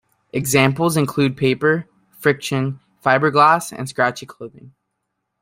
Examples include paper friction, fiberglass, and scratchy clothing.